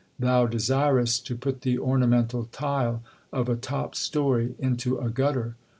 Thou desirest to put the ornamental tile of a top story into a gutter.